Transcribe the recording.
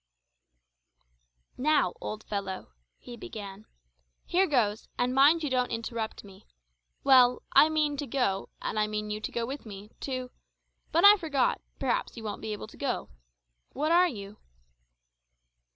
"Now, old fellow," he began, "here goes, and mind you don't interrupt me. Well, I mean to go, and I mean you to go with me, to but, I forgot, perhaps you won't be able to go. What are you?"